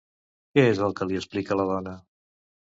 Què és el que li explica la dona?